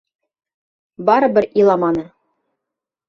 Барыбер иламаны.